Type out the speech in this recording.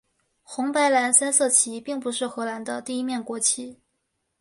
红白蓝三色旗并不是荷兰的第一面国旗。